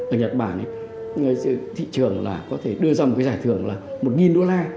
ở nhật bản thị trường có thể đưa ra một cái giải thưởng là một nghìn đô la